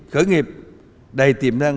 khởi nghiệp đầy tiềm năng